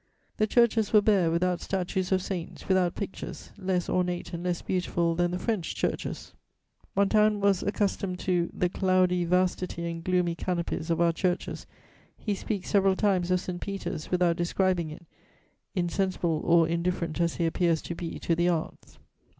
The churches were bare, without statues of saints, without pictures, less ornate and less beautiful than the French churches. Montaigne was accustomed to "the cloudy vastitie and gloomy canopies of our churches;" he speaks several times of St. Peter's without describing it, insensible or indifferent as he appears to be to the arts.